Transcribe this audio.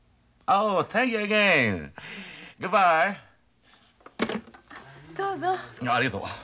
ありがとう。